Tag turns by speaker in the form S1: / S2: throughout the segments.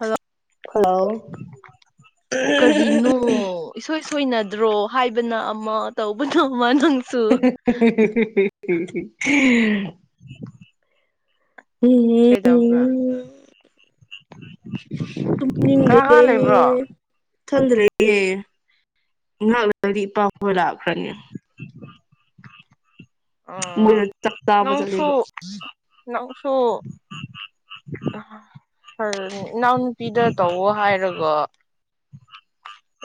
S1: Hello
S2: hello
S1: ꯀꯔꯤꯅꯣ ꯏꯁꯣꯏ ꯁꯣꯏꯅꯗ꯭ꯔꯣ ꯍꯥꯏꯕꯅ ꯑꯃ ꯇꯧꯕꯗꯣꯃ ꯅꯪꯁꯨ
S2: [unintelligible]
S1: ꯀꯩꯖꯕ꯭ꯔ
S2: ꯍꯝ
S1: ꯎ
S2: ꯅꯤꯡꯒꯦ ꯊꯟꯗ꯭ꯔꯌꯦꯦ ꯉꯍꯥꯛꯂꯒꯗꯤ ꯏꯄꯥꯕ ꯂꯥꯛꯈ꯭ꯔꯅꯤ
S1: ꯑꯣ
S2: ꯃꯣꯏꯅ ꯆꯥꯛꯇꯥꯥꯕ
S1: ꯅꯪꯁꯨ
S2: ꯆꯠꯂꯦꯕ
S1: ꯅꯪꯁꯨ ꯏꯅꯥꯎ ꯅꯨꯄꯤꯗ ꯇꯧꯋ ꯍꯥꯏꯔꯒꯣ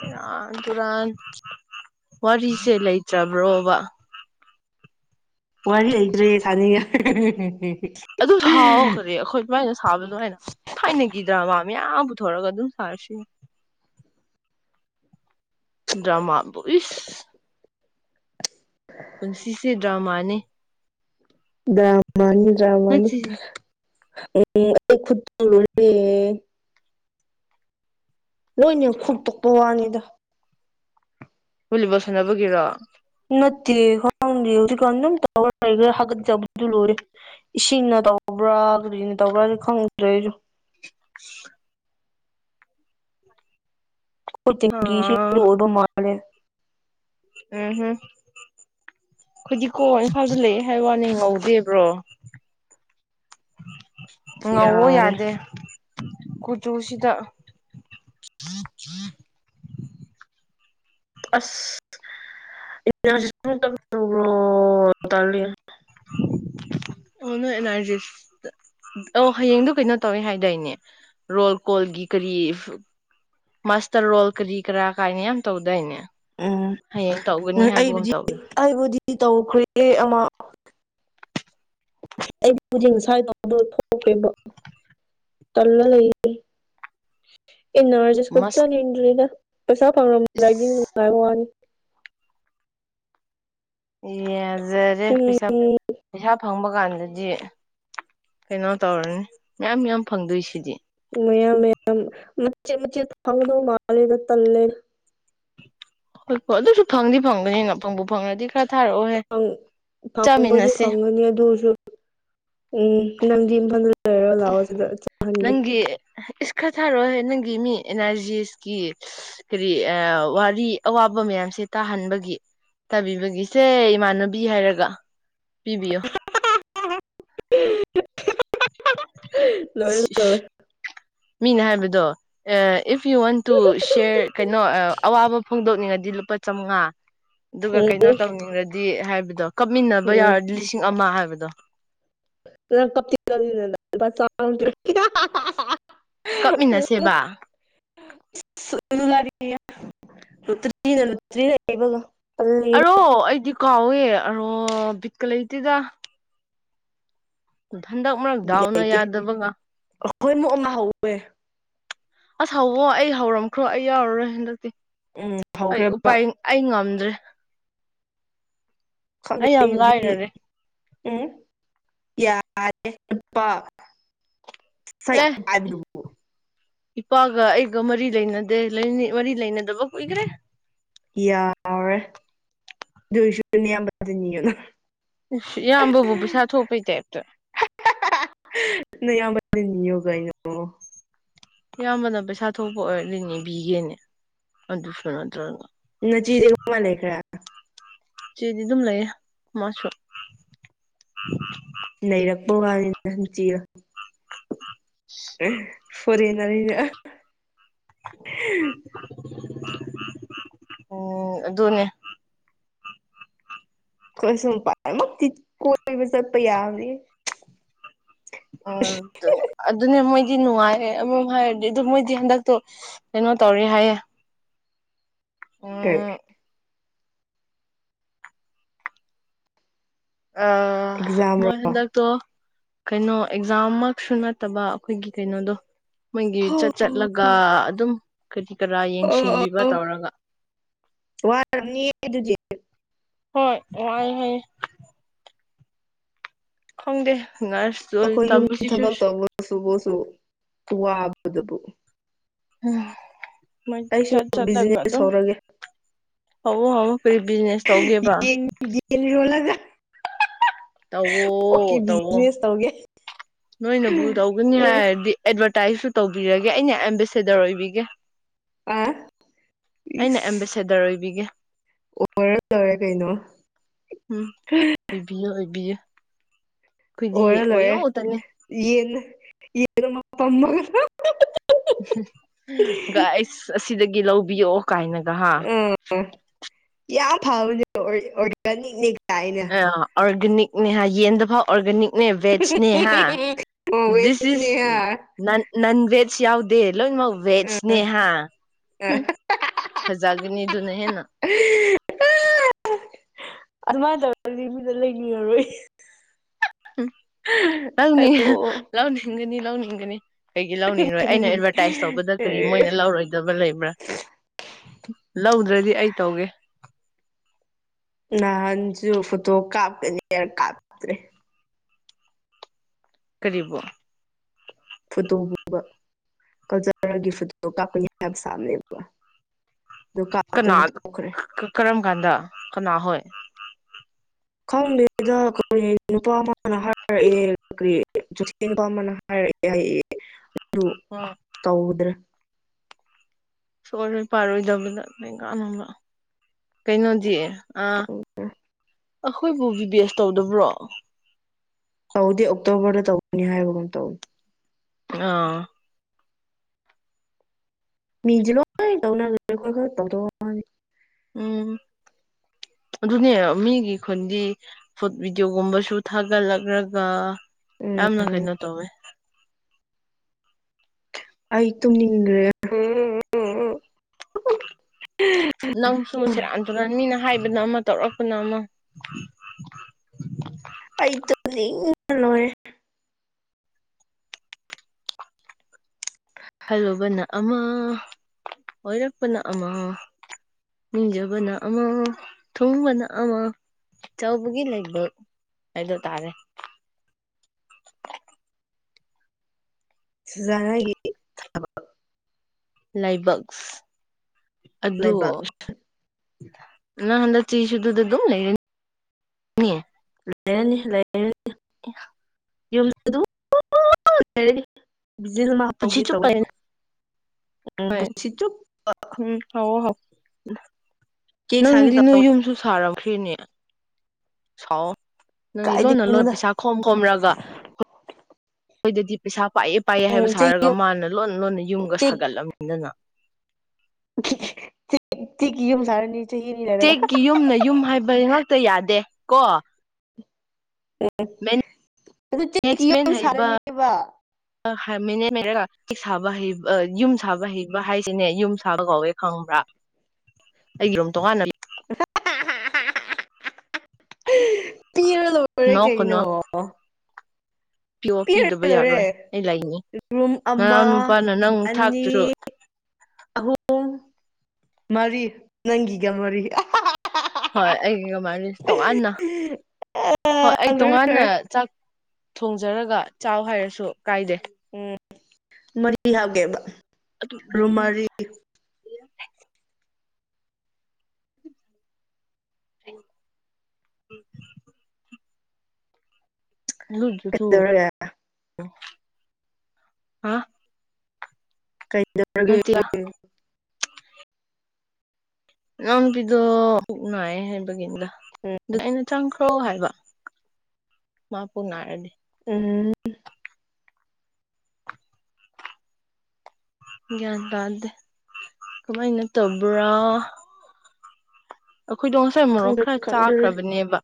S1: ꯏꯔꯥꯟ ꯇꯨꯔꯥꯟ ꯋꯥꯔꯤꯁꯦ ꯂꯩꯇ꯭ꯔꯕ꯭ꯔꯣꯕ
S2: ꯋꯥꯔꯤ ꯂꯩꯇ꯭ꯔꯦ ꯁꯥꯥꯅꯤꯡꯉ
S1: ꯑꯗꯨ ꯍꯥꯎꯈ꯭ꯔꯦ ꯑꯩꯈꯣꯏ ꯁꯨꯃꯥꯏꯅ ꯁꯥꯕ ꯑꯗꯨꯃꯥꯏꯅ ꯊꯥꯏꯅꯒꯤꯗ꯭ꯔꯃꯥ ꯃꯌꯥꯝ ꯄꯨꯊꯣꯔꯒ ꯑꯗꯨꯝ ꯁꯥꯔꯁꯤꯅꯦ ꯗ꯭ꯔꯃꯥ ꯁ ꯄꯨꯟ ꯁꯤ ꯁꯤꯦ ꯗ꯭ꯔꯃꯥꯅꯤ
S2: ꯗ꯭ꯔꯃꯅꯤ ꯗ꯭ꯔꯃꯅꯤ
S1: ꯅꯠꯇꯦ
S2: ꯎ ꯑꯩ ꯂꯣꯏꯅꯈ ꯄꯛꯄ ꯋꯥꯅꯤꯗ
S1: ꯂꯤꯕꯣꯜ ꯁꯥꯟꯅꯕꯒꯤꯔꯣ
S2: ꯅꯠꯇꯦ ꯇ ꯂꯦ ꯏꯁꯤꯡ ꯇꯧꯕ꯭ꯔꯥ [unintelligible] ꯇꯧꯕ꯭ꯔꯥꯗꯤ ꯈꯪꯗ꯭ꯔꯦ ꯑꯩꯖꯨ
S1: [inaudible] ꯑꯥ
S2: [unintelligible] ꯃꯔꯦ
S1: ꯎꯝ ꯍꯨ ꯈꯣꯏꯗꯤꯀꯣ ꯏꯝꯐꯥꯜꯗ ꯂꯩꯌꯦ [unintelligible] ꯉꯧꯗꯦꯕ꯭ꯔꯣ ꯉꯧꯋꯑꯣ
S2: ꯌꯥꯔꯦ
S1: ꯌꯥꯗꯦ ꯀꯨꯆꯨꯁꯤꯗ
S2: [unintelligible] ꯑꯁ [inaudible] ꯇꯂꯦ [inaudible]
S1: ꯑꯣ ꯅꯣꯏ ꯑꯦꯟ ꯑꯥꯔꯖꯤꯁ ꯑꫭ ꯍꯌꯦꯡꯗꯣ ꯀꯩꯅꯣ ꯇꯧꯋꯦ ꯍꯥꯏꯗꯥꯏꯅꯦ꯫ ꯔꯣꯜ ꯀꯣꯜꯒꯤ ꯀꯔꯤ ꯐ ꯃꯥꯁꯇꯔ ꯔꯣꯜ ꯀꯔꯤ ꯀꯔꯥ ꯀꯥꯏꯅ ꯌꯥꯝ ꯇꯧꯗꯥꯏꯅꯦ
S2: ꯎꯝ
S1: ꯍꯌꯦꯡ ꯇꯧꯒꯅꯤ ꯍꯥꯏꯕꯒꯨꯝ
S2: ꯑꯩꯕꯨꯗꯤ
S1: ꯇꯧꯋꯦ꯫
S2: ꯑꯩꯕꯨꯗꯤ ꯇꯧꯈ꯭ꯔꯦ ꯑꯃ ꯑꯩꯕꯨ ꯕꯨꯖꯤ ꯉꯁꯥꯏꯅ ꯕꯗꯣ [unintelligible] ꯈ꯭ꯔꯦꯕ ꯇꯜꯂ ꯂꯩ꯫ ꯏꯟꯅꯔꯖꯤꯁ ꯐꯩ
S1: ꯃꯁ
S2: ꯆꯠꯅꯤꯡꯗ꯭ꯔꯤꯗ ꯄꯩꯁꯥ ꯐꯪꯔꯝꯗꯥꯏꯗꯤ ꯅꯨꯡꯉꯥꯏꯕ ꯋꯥꯅꯤ꯫
S1: ꯌꯥꯖꯔꯦ ꯄꯩꯁꯥ
S2: ꯎꯝ
S1: ꯄꯩꯁꯥ ꯐꯪꯕ ꯀꯥꯟꯗꯗꯤ ꯀꯩꯅꯣ ꯇꯧꯔꯅꯤ ꯃꯌꯥꯝ ꯌꯥꯝ ꯐꯪꯗꯣꯏꯁꯤꯗꯤ꯫
S2: ꯃꯌꯥꯝ-ꯃꯌꯥꯝ ꯃꯆꯦꯠ-ꯃꯆꯦꯠ ꯐꯪꯒꯗꯩ ꯃꯥꯜꯂꯦꯗ ꯇꯜꯂꯦꯗ꯫
S1: ꯍꯣꯏ-ꯍꯣꯏ ꯑꯗꯨꯁꯨ ꯐꯪꯗꯤ ꯐꯪꯕꯅꯤꯅ ꯄꯪꯕꯨ ꯐꯪꯗꯤ ꯈꯔ ꯊꯥꯔꯛꯑꯣꯍꯦ ꯆꯥꯃꯤꯟꯅꯁꯦ꯫
S2: ꯐꯅꯤ ꯑꯗꯨꯁꯨ ꯎꯝ ꯅꯪꯗꯤ ꯏꯝꯐꯥꯗ ꯂꯩꯔꯒ ꯂꯥꯛꯑꯣ ꯁꯤꯗ ꯆꯞꯍꯟꯒꯦ꯫
S1: ꯅꯪꯒꯤ ꯏꯁ ꯈꯔ ꯊꯥꯔꯛꯑꯣ ꯅꯪꯒꯤ ꯃꯤ ꯑꯦꯟ ꯑꯥꯔꯖꯤ ꯑꯦꯁꯀꯤ꯫ ꯀꯔꯤ ꯋꯥꯔꯤ ꯑꯋꯥꯕ ꯃꯌꯥꯝꯁꯦ ꯇꯥꯍꯟꯕꯒꯤ꯫ ꯇꯥꯕꯤꯕꯒꯤꯁꯦ ꯏꯃꯥꯟꯅꯕꯤ ꯍꯥꯏꯔꯒ ꯄꯤꯕꯤꯌꯣ꯫
S2: [unintelligible] ꯂꯣꯏꯔꯦ ꯂꯣꯏꯔꯦ꯫
S1: ꯃꯤꯅ ꯍꯥꯏꯕꯗꯣ ꯏꯐ ꯌꯨ ꯋꯥꯟ ꯇꯨ ꯁꯤꯌꯔ ꯀꯩꯅꯣ ꯑꯋꯥꯕ ꯐꯣꯡꯗꯣꯛꯅꯤꯡꯉꯗꯤ ꯂꯨꯄꯥ ꯆꯥꯝꯃꯉꯥ꯫
S2: [inaudible]
S1: ꯑꯗꯨꯒ ꯀꯩꯅꯣ ꯇꯧꯅꯤꯡꯔꯗꯤ ꯍꯥꯏꯕꯗꯣ ꯀꯞꯃꯤꯟꯅꯕ
S2: ꯎꯝ
S1: ꯌꯥꯔꯗꯤ ꯂꯤꯁꯤꯡ ꯑꯃ ꯍꯥꯏꯕꯗꯣ꯫
S2: [unintelligible]
S1: ꯀꯞꯃꯤꯟꯅꯁꯦꯕ
S2: [unintelligible] [unintelligible]
S1: ꯅꯣ ꯑꯩꯗꯤ ꯀꯥꯎꯋꯦ ꯑꯔꯣ ꯕꯤꯠꯀ ꯂꯩꯇꯦꯗ꯫ ꯍꯟꯗꯛ ꯃꯔꯛ ꯗꯥꯎꯅ
S2: ꯂꯩꯇꯦ
S1: ꯌꯥꯗꯕꯒ꯫
S2: ꯑꯩꯈꯣꯏ ꯃꯨꯛꯅ ꯍꯧꯋꯦ꯫
S1: ꯑꯁ ꯍꯋꯣ ꯑꯩ ꯍꯧꯔꯝꯈ꯭ꯔꯣ ꯑꯩ ꯌꯥꯎꯔꯔꯣꯏ ꯍꯟꯗꯛꯇꯤ
S2: ꯎꯝ
S1: ꯑꯩ
S2: ꯍꯧꯈ꯭ꯔꯦꯕ
S1: ꯎꯄꯥꯏ ꯑꯩ ꯉꯝꯗ꯭ꯔꯦ
S2: ꯈꯪꯗꯦ
S1: ꯑꯩ ꯌꯥꯝ
S2: ꯑꯩꯕꯨꯗꯤ
S1: ꯂꯥꯏꯔꯔꯦ꯫
S2: [unintelligible]
S1: ꯑꯦ
S2: ꯄꯥꯏꯕꯗꯨꯕꯨ
S1: ꯏꯄꯥꯒ ꯑꯩꯒ ꯃꯔꯤ ꯂꯩꯅꯗꯦ ꯂꯩꯅꯤ ꯃꯔꯤ ꯂꯩꯅꯗꯕ ꯀꯨꯏꯈꯒꯔꯦ꯫
S2: ꯌꯥꯎꯔꯦ ꯑꯗꯣꯏꯁꯨ꯫ [unintelligible]
S1: ꯎꯁ ꯏꯌꯥꯝꯕꯕꯨ ꯄꯩꯁꯥ ꯊꯣꯛꯄꯩ ꯇꯥꯏꯞꯇ꯫
S2: [unintelligible] ꯅꯌꯥꯝꯕꯗ ꯅꯤꯌꯣ ꯒꯥꯏꯅꯀꯣ꯫
S1: ꯏꯌꯥꯝꯕꯅ ꯄꯩꯁꯥ ꯊꯣꯛꯄ ꯑꯣꯏꯔꯗꯤ ꯅꯤꯕꯤꯒꯦꯅꯦ ꯑꯗꯨꯁꯨ ꯅꯠꯇ꯭ꯔꯒ꯫
S2: ꯅꯆꯦꯗꯤ ꯀꯔꯃꯥꯏ ꯂꯩꯈ꯭ꯔꯦ꯫
S1: ꯏꯆꯦꯗꯤ ꯑꯗꯨꯝ ꯂꯩꯌꯦ ꯃꯥꯁꯨ꯫
S2: ꯅꯩꯔꯛꯄ ꯋꯥꯅꯤꯗ ꯅꯆꯦꯗꫭ꯫ [unintelligible]
S1: [unintelligible] ꯎꯝ ꯑꯗꯨꯅꯦ꯫
S2: ꯈꫭꯏꯁꯨ ꯃꯄꯥꯟ ꯃꯛꯇꯤ ꯀꯣꯏꯕ ꯆꯠꯄ ꯌꯥꯕꯅꯦ꯫
S1: ꯑ ꯑꯗꯨ ꯑꯗꯨꯅꯦ ꯃꯣꯏꯗꯤ ꯅꯨꯡꯉꯥꯏꯔꯦ ꯑꯃꯔꫭꯝ ꯍꯥꯏꯔꯗꯤ ꯑꯗꯨ ꯃꯣꯏꯗꯤ ꯍꯟꯗꯛꯇꯣ ꯀꯩꯅꯣ ꯇꯧꯔꯤ ꯍꯥꯏꯌꯦ꯫
S2: ꯀꯔꯤ꯫
S1: ꯎꯝ ꯑ
S2: ꯑꯦꯛꯖꯥꯝꯔꯣ
S1: ꯃꯣꯏ ꯍꯟꯗꯛ ꯇꯣ ꯀꯩꯅꯣ ꯑꯦꯛꯖꯥꯝꯃꯛꯁꯨ ꯅꯠꯇꯕ ꯑꯩꯈꯣꯏꯒꯤ ꯀꯩꯅꯣꯗꯣ꯫ ꯃꯣꯏꯒꯤ ꯆꯠ ꯆꯠꯂꯒ
S2: ꯑꯣ
S1: ꯑꯗꯨꯝ ꯀꯔꯤ ꯀꯔꯥ ꯌꯦꯡꯁꯤꯟꯕꯤꯕ ꯇꯧꯔꯒ꯫
S2: ꯋꯥꯔꯝꯅꯤ ꯑꯗꯨꯗꯤ꯫
S1: ꯍꯣꯏ ꯋꯥꯌꯦ ꯍꯥꯏꯌꯦ꯫ ꯈꯪꯗꯦ ꯅꯔꯁ ꯇꯝꯕꯁꯤꯁꯨ
S2: [inaudible]
S1: ꯎꯝ ꯃꯣꯏ
S2: ꯑꯩꯁꯨ
S1: ꯆꯠ ꯆꯠꯂꯒ
S2: ꯕꯤꯖꯤꯅꯦꯁ
S1: ꯑꯗꯨꯝ
S2: ꯍꯧꯔꯒꯦ
S1: ꯍꯧꯕꯛ ꯍꯕ ꯀꯔꯤ ꯕꯤꯖꯤꯅꯦꯁ ꯇꯧꯒꯦꯕ
S2: ꯦꯟꯔꯣꯜꯂꯒ
S1: ꯇꯧꯋꯣ
S2: ꯑꯣꯀꯦ
S1: ꯇꯧꯋꯣ
S2: ꯕꯤꯖꯤꯅꯦꯁ ꯇꯧꯒꯦ
S1: ꯅꯣꯏꯅꯕꯨ ꯇꯧꯒꯅꯤ
S2: ꯎꯝ
S1: ꯍꯥꯏꯔꯗꯤ ꯑꯦꯗꯚꯔꯇꯥꯏꯁꯁꯨ ꯇꯧꯕꯤꯔꯒꯦ ꯑꯩꯅ ꯑꯦꯝꯝꯕꯦꯁꯦꯗꯔ ꯑꯣꯏꯕꯤꯒꯦ
S2: ꯑ
S1: ꯑꯩꯅ ꯑꯦꯝꯝꯕꯦꯁꯦꯗꯔ ꯑꯣꯏꯕꯤꯒꯦ
S2: ꯑꯣꯔ ꯂꯧꯧꯔꯦ ꯀꯩꯅꯣ
S1: ꯑꯣꯏꯕꯤꯌ ꯑꯣꯏꯏꯕꯤꯌ
S2: ꯑꯣꯔ ꯂꯣꯏꯔꯦ ꯌꯦꯟꯅ ꯌꯦꯅ ꯇꯝꯃꯒ
S1: ꯑꯩꯁ ꯑꯁꯤꯗꯒꯤ ꯂꯧꯕꯤꯌꯑꯣ ꯀꯥꯏꯅꯒ ꯍꯥ
S2: ꯑꯥ ꯌꯥꯝ ꯐꯕꯅꯦ ꯑꯣꯔꯒꯥꯅꯤꯛꯅꯦ ꯀꯥꯏ
S1: ꯑ ꯑꯣꯔꯒꯥꯅꯤꯛꯅꯦ ꯍꯥꯏ ꯌꯦꯟꯗ ꯐꯥꯎ ꯑꯣꯔꯒꯥꯅꯤꯛ ꯦꯖꯅꯦ ꯍꯥ
S2: ꯑꯣ
S1: ꯁ ꯏ
S2: ꯋꯦꯁꯅꯦ
S1: ꯅ ꯅꯣꯟꯚꯦꯖ ꯌꯥꯎꯗꯦ ꯂꯣ ꯃꯥꯕꯦꯖꯅꯦꯦ ꯍꯥꯥ ꯎꯝ ꯐꯖꯥꯒꯅꯤꯙꯅ ꯍꯦꯅ
S2: ꯎ ꯑꯗꯨꯃꯥꯏꯅ ꯇꯧꯔꯒꯗꯤ ꯃꯤꯅ ꯂꯩꯅꯤꯡꯉꯔꯣꯏ
S1: ꯍꯨꯝ ꯂꯧꯅꯤꯡ
S2: ꯑꯣ
S1: ꯂꯧꯅꯤꯡꯒꯅꯤ ꯂꯧꯅꯤꯡꯒꯅꯤ ꯀꯩꯒꯤ ꯂꯧꯅꯤꯡꯔꯣꯏ ꯑꯩꯅ ꯑꯦꯗꯚꯔꯇꯥꯏꯁ ꯇꯧꯕꯗ ꯀꯔꯤ ꯃꯣꯏꯅ ꯂꯧꯔꯣꯏꯒꯦ ꯕ ꯂꯩꯕ꯭ꯔꯥ ꯂꯧꯗ꯭ꯔꯗꯤ ꯑꯩ ꯇꯧꯒꯦ
S2: ꯅ ꯍꯟꯁꯨ ꯐꯨꯇꯣ ꯀꯥꯞꯀꯅꯤꯔ ꯀꯥꯞꯇ꯭ꯔꯦ
S1: ꯀꯔꯤꯕ
S2: ꯐꯨꯗꯣꯛꯕ ꯀꯜꯆꯔꯒꯤ ꯐꯣꯇꯣ ꯀꯥꯞꯀꯅꯤ ꯍꯥꯏꯕ ꯁꯥꯕꯅꯦꯕ ꯑꯗꯨꯣ
S1: ꯀꯅꯥ
S2: ꯀꯥꯞꯇꯅ ꯊꯣꯛꯈ꯭ꯔꯦ
S1: ꯀ- ꯀꯔꯝ ꯀꯥꯟꯗ ꯀꯅꯥ ꯍꯣꯏ
S2: ꯈꯪꯗ ꯀ ꯅꯨꯄꯥ ꯑꯃꯅ ꯍꯥꯏꯔꯛꯑꯦ ꯀꯤ ꯅꯨꯄꯥ ꯑꯃꯅ ꯍꯥꯏꯔꯛꯑꯦ ꯌꯥꯏ ꯑꯗꯨ
S1: ꯑ
S2: ꯀꯧꯗ꯭ꯔꯥ
S1: ꯁꯣꯏꯂꯣꯏ ꯄꯥꯔꯣꯏꯗꯕꯗ ꯀ ꯀꯥꯟꯅꯕ ꯀꯩꯅꯣꯗꯤ ꯑꯥ ꯑꯩꯈꯣꯏꯕꯨ ꯚꯕꯤ ꯕꯦꯁ ꯇꯧꯗꯕ꯭ꯔꯣ
S2: ꯇꯧꯗꯦ ꯑꯣꯛꯇꯣꯕꯔꯗ ꯇꯧꯒꯅꯤ ꯍꯥꯏꯕꯒꯨꯝ ꯇꯧꯅꯤ
S1: ꯑꯥ
S2: ꯃꯤꯖꯂ ꯇꯧ ꯇꯣ
S1: ꯎꯝ ꯑꯗꯨꯅꯦ ꯃꯤꯒꯤ ꯈꯨꯟꯗꯤ ꯐꯣ ꯚꯤꯗꯤꯑꯣꯒꯨꯝꯕꯁꯨ ꯊꯥꯒꯠꯂꯛꯂꯒ
S2: ꯎꯝ
S1: ꯌꯥꯝꯅ ꯀꯩꯅꯣ ꯇꯧꯋꯦ
S2: ꯑꯩ ꯇꯨꯝꯅꯤꯡꯈ꯭ꯔꯦ
S1: ꯅꯪꯁꯨꯕꯨ ꯁꯦꯔꯥꯟ ꯇꯔ ꯃꯤꯅ ꯍꯥꯏꯕꯅ ꯑꯃ ꯇꯧꯔꯛꯄꯅ ꯑꯃ
S2: ꯑ ꯇ ꯂꯣꯏ
S1: ꯈꯜꯂꯨꯕꯅ ꯑꯃ ꯑꯣꯏꯔꯛꯄꯅ ꯑꯃ ꯅꯤꯡꯅꯤꯖꯕꯅ ꯑꯃ ꯊꯣꯡꯕꯅ ꯑꯃ ꯆꯥꯎꯧꯕꯒꯤ ꯂꯩꯕ ꯍꯥꯏꯗ ꯇꯥꯔꯦ
S2: ꯖꯒꯦ
S1: ꯂꯥꯏꯕꯛꯁ
S2: ꯂꯩꯕꯥꯛ
S1: ꯑꯣ ꯅ ꯍꯟꯗ ꯆꯤꯁꯨ ꯑꯗꯨꯗ ꯑꯗꯨꯝ ꯂꯩꯔꯅꯤ
S2: ꯂꯩꯔꯅꯤ ꯂꯩꯔꯅꯤ
S1: [inaudible]
S2: ꯌꯨꯝ ꯕꯤꯜ
S1: ꯄꯨꯟꯁꯤ
S2: ꯃꯍꯥꯎꯒꯤ ꯇꯧꯋꯦ
S1: ꯆꯨꯞꯄ
S2: ꯎ ꯄꯨꯁꯤ ꯆ
S1: ꯎꯝ ꯍꯥꯎ ꯍꯥꯎ ꯅꯪꯗꯤ ꯅꯣꯏ ꯌꯨꯝꯁꯨ ꯁꯥꯔꯝꯈ꯭ꯔꯤꯅꯦ ꯁꯥꯎꯑꯣ ꯅꯪꯗꯤ ꯂꯣꯟꯅ
S2: ꯀꯥꯏꯗꯒꯤꯅꯣꯗ
S1: ꯂꯣꯟ ꯄꯩꯁꯥ ꯈꯣꯝ ꯈꯣꯝꯔꯒ ꯑꯩꯈꯣꯏꯗꯗꯤ ꯄꯩꯁꯥ ꯄꯥꯏꯑ ꯄꯥꯏꯑ
S2: ꯎꯝ
S1: ꯍꯥꯏꯕ
S2: ꯆꯦꯛ
S1: ꯁꯥꯔꯒ
S2: ꯌꯨꯝ
S1: ꯃꯥꯅ ꯂꯣꯟ ꯂꯣꯟꯅ ꯌꯨꯝꯒ
S2: ꯆꯦꯛ
S1: ꯁꯥꯒꯠꯂꯝꯅꯤꯗꯅ
S2: ꯇꯤꯒꯤ ꯌꯨꯝ ꯁꯥꯔꯅꯤ ꯆꯍꯤꯅꯤ ꯂꯩꯔꯒ
S1: ꯇꯤꯛꯒꯤ ꯌꯨꯝꯅ ꯌꯨꯝ ꯍꯥꯏꯕ ꯉꯥꯛꯇ ꯌꯥꯗꯦ ꯀꯣ
S2: ꯑꯗꯨ ꯇꯤꯛꯒꯤ ꯌꯨꯝ ꯁꯥꯔꯅꯤꯕ
S1: ꯃꯤꯅꯦ ꯃꯔꯒꯦꯛ [inaudible] ꯁꯥꯕ ꯍꯩ ꯌꯨꯝ ꯁꯥꯕ ꯍꯩꯕ ꯍꯥꯏꯁꯤꯅꯦ ꯌꯨꯝ ꯁꯥꯕ ꯀꯧꯋꯦ ꯈꯪꯕ꯭ꯔꯥ
S2: [unintelligible]
S1: ꯑꯩꯒꯤ ꯔꯨꯝ ꯇꯣꯉꯥꯟꯅ ꯂꯩ
S2: ꯄꯤꯔ ꯂꯣꯏꯔꯦ
S1: ꯅꯣ
S2: ꯀꯩꯅꯣ
S1: ꯄꯤ ꯑꯣ
S2: ꯄꯤꯔ
S1: ꯄꯤꯗꯕ
S2: ꯂꯣꯏꯔꯦ
S1: ꯌꯥꯔꯣꯏ ꯑꯩ ꯂꯩꯅꯤ
S2: ꯔꯨꯝ
S1: ꯃꯅꯥꯎ
S2: ꯑꯃ
S1: ꯅꯨꯄꯥꯅ ꯅꯪ
S2: ꯑꯅꯤ
S1: ꯊꯥꯛꯇꯔꯁꯨ
S2: ꯑꯍꯨꯝ ꯃꯔꯤ ꯅꯪꯒꯤꯒ ꯃꯔꯤ
S1: ꯍꯣꯏ ꯑꯩꯒꯤꯒ ꯃꯥꯔꯤ ꯇꯣꯉꯥꯟꯅ ꯍꯣꯏ ꯑꯩ
S2: ꯑꯥ ꯂꯣꯏꯔꯦ ꯂꯣꯏꯔꯦ
S1: ꯇꯣꯉꯥꯟꯅ ꯆꯥꯛ ꯊꯣꯡꯖꯔꯒ ꯆꯥꯎ ꯍꯥꯏꯔꯁꯨ ꯀꯥꯏꯗꯦ
S2: ꯎꯝ ꯃꯔꯤ ꯍꯥꯞꯒꯦꯕ
S1: ꯑꯗꯨ ꯅ
S2: ꯔꯨꯝ ꯃꯔꯤ
S1: ꯍꯣꯡꯈ꯭ꯔꯦ [inaudible] [inaudible] ꯂ ꯊ
S2: ꯀꯩꯗꯧꯔꯦ
S1: ꯍꯥ [inaudible]
S2: ꯔꯒꯦ
S1: ꯅꯠꯇꯦ
S2: [inaudible]
S1: ꯏꯅꯥꯎꯄꯥꯗꯣ ꯄꯨꯛ ꯅꯥꯢ ꯍꯥꯢꯕꯒꯤꯅꯤꯗ ꯑꯗꯨ ꯑꯩꯅ ꯆꯪꯈ꯭ꯔꯣ ꯍꯥꯏꯕ ꯃꯥ ꯄꯨꯛ ꯅꯥꯔꯗꯤ
S2: ꯎꯝ
S1: ꯒ꯭ꯌꯥꯟ ꯇꯥꯗꯦ ꯀꯃꯥꯏꯅ ꯇꯧꯕ꯭ꯔꯥ ꯑꯩꯈꯣꯏꯗꯣ ꯉꯁꯥꯢ ꯃꯣꯔꯣꯛ
S2: ꯈꯪꯗ꯭ꯔꯦ
S1: ꯈꯔ
S2: ꯈꯪꯗ꯭ꯔꯦ
S1: ꯆꯥꯈ꯭ꯔꯕꯅꯦꯕ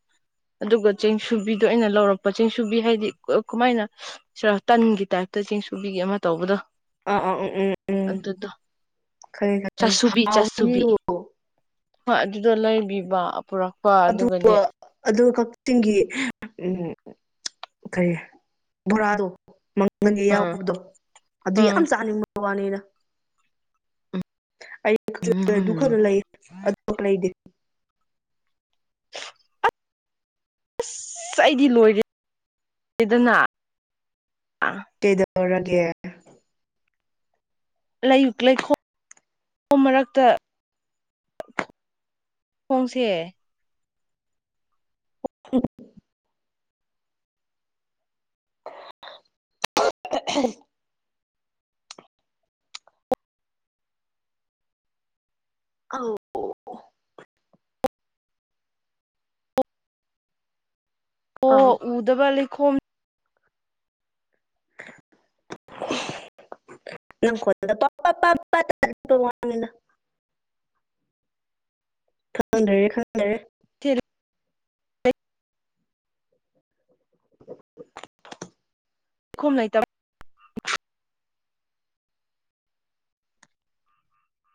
S1: ꯑꯗꯨꯒ ꯆꯦꯡꯁꯨꯕꯤꯗꯣ ꯑꯩꯅ ꯂꯧꯔꯛꯄ ꯆꯦꯡꯁꯨꯕꯤ ꯍꯥꯏꯗꯤ ꯀꯃꯥꯏꯅ ꯁꯤꯔ ꯇꯟꯒꯤ ꯇꯥꯏꯞꯇ ꯆꯦꯡ ꯁꯨꯕꯤꯒ ꯑꯃ ꯇꯧꯕꯗꯣ
S2: ꯑꯥ ꯑꯥ ꯎꯝ ꯎꯝ ꯎꯝ
S1: ꯑꯗꯨꯗꯣ
S2: ꯈꯪꯉꯦ ꯈꯪꯉꯦ
S1: ꯆꯥꯁꯨꯕꯤ ꯆꯥꯁꯨꯕꯤ
S2: ꯍꯥꯎꯕꯅꯤꯗꯣ
S1: ꯍꯣꯏ ꯑꯗꯨꯗꯣ ꯂꯩꯕꯤꯕ ꯄꯨꯔꯛ
S2: ꯑꯗꯨꯒ ꯑꯗꯨꯒ ꯀꯛꯆꯤꯡꯒꯤ ꯎ ꯀꯔꯤ ꯕꯣꯔꯥꯗꯣ ꯃꯪꯗꯥꯜ
S1: ꯎꯝ
S2: ꯌꯥꯎꯕꯗꯣ ꯑꯗꯨ ꯌꯥꯝ
S1: ꯎꯝ
S2: ꯆꯥꯅꯤꯡꯕ ꯋꯥꯅꯤꯅ ꯑꯩ ꯑꯗꯨ
S1: ꯎꯝ
S2: ꯈꯛꯇ ꯂꯩ ꯑꯗꯣꯞꯄ ꯂꯩꯗꯦ
S1: ꯑꯁ ꯑꯩꯗꯤ ꯂꯣꯏꯔꯦꯗꯅ
S2: ꯀꯩꯗꯧꯔꯒꯦ
S1: ꯂꯩꯈꯣꯝ ꯃꯔꯛꯇ ꯈꯣꯡꯁꯦ
S2: ꯍ [inaudible] [inaudible] ꯑꯥꯎ
S1: ꯑꯣ
S2: ꯑꯧ
S1: ꯎꯗꯕ ꯂꯩꯈꯣꯝ
S2: [inaudible] ꯅꯪꯣ ꯄ ꯄ ꯇ [inaudible] ꯈꯪꯗꯔꯦ ꯈꯪꯗꯔꯦ
S1: ꯆꯔ [inaudible]
S2: [unintelligible]
S1: ꯂꯩꯈꯣꯝ ꯂꯩꯇꯕ